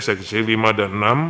segmen sigli lima dan enam